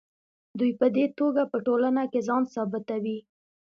دوی په دې توګه په ټولنه کې ځان ثابتوي.